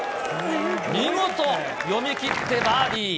見事、読み切ってバーディー。